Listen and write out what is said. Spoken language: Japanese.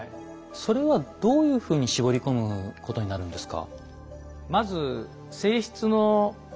それはどういうふうに絞り込むことになるんですか？